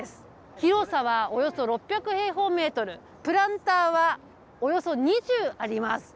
広さはおよそ６００平方メートル、プランターはおよそ２０あります。